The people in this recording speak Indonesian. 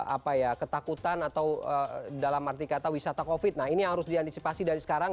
apa ya ketakutan atau dalam arti kata wisata covid nah ini yang harus diantisipasi dari sekarang